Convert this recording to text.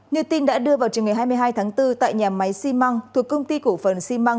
như tin đã đưa vào trường ngày hai mươi hai tháng bốn tại nhà máy xi măng thuộc công ty cổ phần xi măng